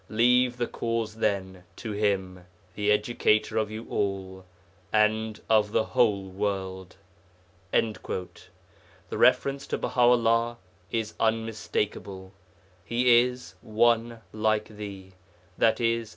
Leave the cause, then, to him, the educator of you all, and of the whole world.' The reference to Baha 'ullah is unmistakable. He is 'one like thee,' i.e.